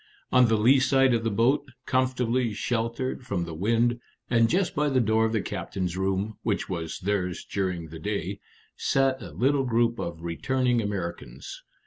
On the lee side of the boat, comfortably sheltered from the wind, and just by the door of the captain's room (which was theirs during the day), sat a little group of returning Americans.